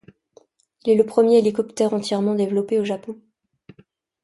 Il est le premier hélicoptère entièrement développé au Japon.